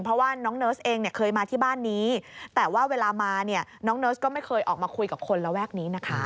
เพราะว่าน้องเนิร์สเองเนี่ยเคยมาที่บ้านนี้แต่ว่าเวลามาเนี่ยน้องเนิร์สก็ไม่เคยออกมาคุยกับคนระแวกนี้นะคะ